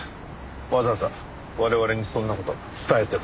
わざわざ我々にそんな事伝えてこいって？